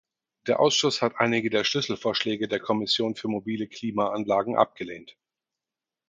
Der Ausschuss hat einige der Schlüsselvorschläge der Kommission für mobile Klimaanlagen abgelehnt.